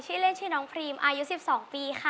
ชื่อเล่นชื่อน้องพรีมอายุ๑๒ปีค่ะ